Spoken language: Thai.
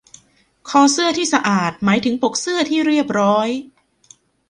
คอเสื้อที่สะอาดหมายถึงปกเสื้อที่เรียบร้อย